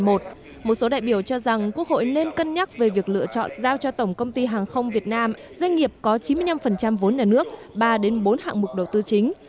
một số đại biểu cho rằng quốc hội nên cân nhắc về việc lựa chọn giao cho tổng công ty hàng không việt nam doanh nghiệp có chín mươi năm vốn nhà nước ba bốn hạng mục đầu tư chính